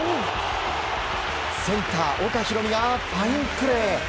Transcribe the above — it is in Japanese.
センター、岡大海がファインプレー。